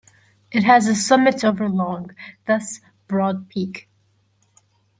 It has a summit over long, thus "Broad Peak".